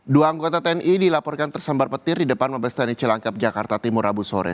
dua anggota tni dilaporkan tersambar petir di depan mabestani celangkap jakarta timur abu sore